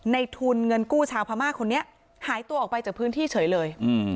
ในทุนเงินกู้ชาวพม่าคนนี้หายตัวออกไปจากพื้นที่เฉยเลย